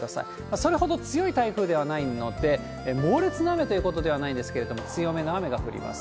それほど強い台風ではないので、猛烈な雨ということではないんですけれども、強めの雨が降ります。